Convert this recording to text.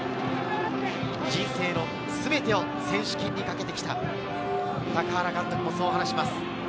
人生のすべてを選手権にかけてきた、高原監督もそう話します。